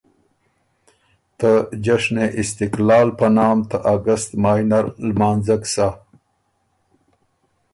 ته جشنِ استقلال په نام ته اګست مای نر لمانځک سَۀ۔